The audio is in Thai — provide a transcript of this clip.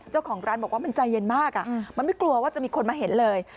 เจ้าของร้านบอกว่ามันใจเย็นมากมันไม่กลัวว่าจะมีคนมาเห็นเลย